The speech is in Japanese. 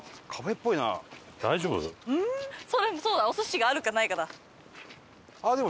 そうだお寿司があるかないかだ。